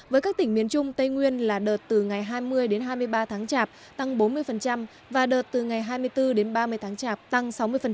với các tỉnh miền trung tây nguyên là đợt từ ngày hai mươi đến hai mươi ba tháng chạp tăng bốn mươi và đợt từ ngày hai mươi bốn đến ba mươi tháng chạp tăng sáu mươi